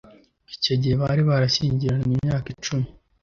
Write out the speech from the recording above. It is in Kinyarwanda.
Icyo gihe bari barashyingiranywe imyaka icumi